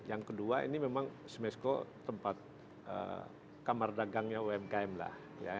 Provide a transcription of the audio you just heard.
yang kedua ini memang smesko tempat kamar dagangnya umkm lah